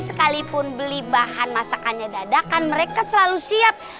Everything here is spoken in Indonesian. sekalipun beli bahan masakannya dadakan mereka selalu siap